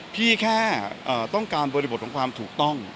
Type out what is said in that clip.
แค่ต้องการบริบทของความถูกต้อง